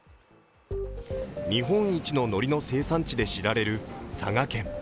日本一ののりの生産地で知られる佐賀県。